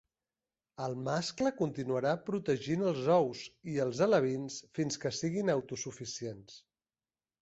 El mascle continuarà protegint els ous i els alevins fins que siguin autosuficients.